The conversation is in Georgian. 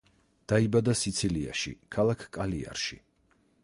დაიბადა სიცილიაში, ქალაქ კალიარში.